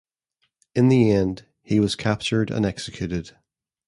In the end he was captured and executed.